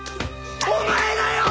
お前だよ！